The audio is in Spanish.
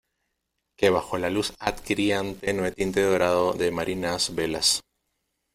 que bajo la luz adquirían tenue tinte dorado de marinas velas.